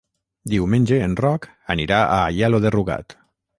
Diumenge en Roc anirà a Aielo de Rugat.